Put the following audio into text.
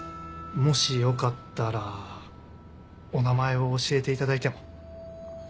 もしよかったらお名前を教えていただいても？